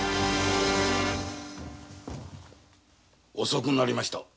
遅くなりまして。